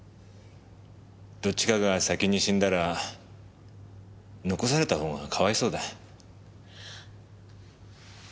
どっちかが先に死んだら残された方がかわいそうだ。